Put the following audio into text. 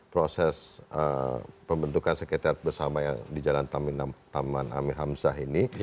proses pembentukan sekretariat bersama yang di jalan taman amir hamzah ini